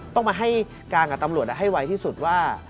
ต้องมาให้การกับตำรวจให้ไวที่สุดว่า